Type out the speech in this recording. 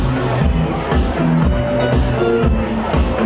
ไม่ต้องถามไม่ต้องถาม